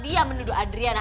dia akan menduduk adriana